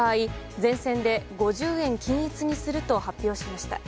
全線で５０円均一にすると発表しました。